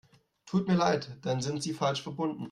Tut mir leid, dann sind Sie falsch verbunden.